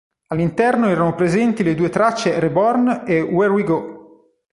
All'interno erano presenti le due tracce "Reborn" e "Where we go".